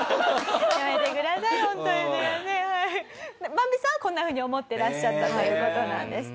バンビさんはこんな風に思ってらっしゃったという事なんです。